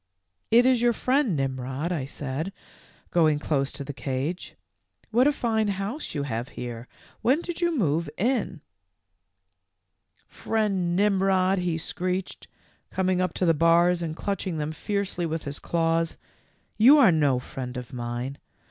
" f It is your friend Mmrod,' I said, going close to the cage. f What a fine house you have here ; when did you move in ?'" f Friend Nimrod,' he screeched, coming up to the bars and clutching them fiercely with his claws. "You are no friend of mine.